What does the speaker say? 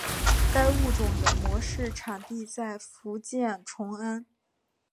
该物种的模式产地在福建崇安。